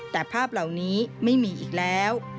แต่ภาพเหล่านี้ไม่มีอีกแล้ว